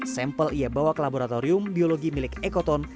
sample ia bawa ke laboratorium biologi milik ecotone